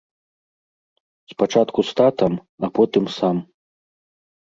Спачатку з татам, а потым сам.